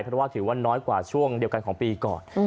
เพราะว่าถือว่าน้อยกว่าช่วงเดียวกันของปีก่อน